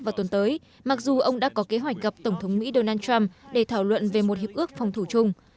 vào tuần tới mặc dù ông đã có kế hoạch gặp tổng thống mỹ donald trump để thảo luận về một hiệp ước phòng thủ chung